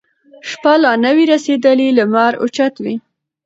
شپه لا نه وي رسېدلې لمر اوچت وي